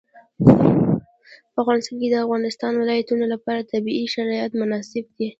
په افغانستان کې د د افغانستان ولايتونه لپاره طبیعي شرایط مناسب دي.